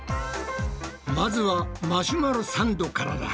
まずはマシュマロサンドからだ。